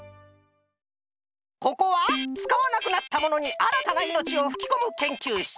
ここはつかわなくなったものにあらたないのちをふきこむけんきゅうしつ。